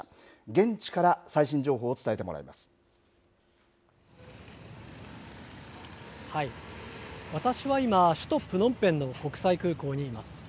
現地から最新情報を伝えてもらい私は今、首都プノンペンの国際空港にいます。